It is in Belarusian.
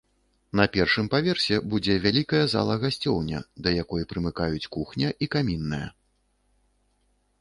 На першым паверсе будзе вялікая зала-гасцёўня, да якой прымыкаюць кухня і камінная.